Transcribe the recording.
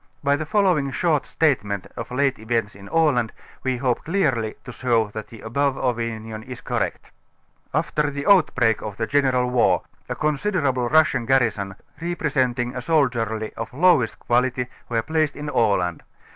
By the following short statement of late events in Aland we hope clearly to show that the above opinion is correct. x\fter the outbreak of the general war, a considerable Russian garrison, representing a soldiery of lowest quality, were placed in Aland.